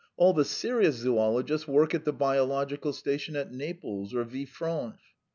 All the serious zoologists work at the biological station at Naples or Villefranche.